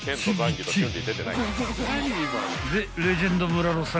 ［でレジェンド村野さん